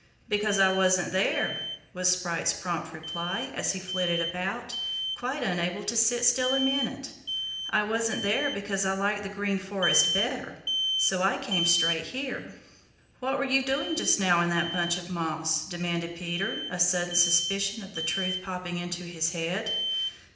"Because I wasn't there," was Sprite's prompt reply as he flitted about, quite unable to sit still a minute. "I wasn't there because I like the Green Forest better, so I came straight here." "What were you doing just now in that bunch of moss?" demanded Peter, a sudden suspicion of the truth hopping into his head.